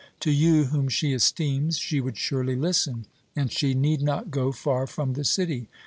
To you, whom she esteems, she would surely listen, and she need not go far from the city.